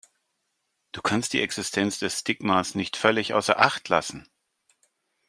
Du kannst die Existenz des Stigmas nicht völlig außer Acht lassen.